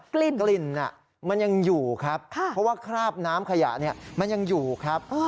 กลิ่นมันยังอยู่ครับเพราะว่าคราบน้ำขยะเนี่ยมันยังอยู่ครับ